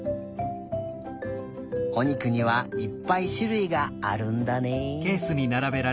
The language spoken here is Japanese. おにくにはいっぱいしゅるいがあるんだね。